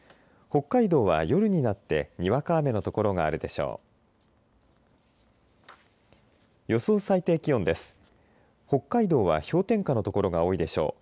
北海道は夜になってにわか雨の所があるでしょう。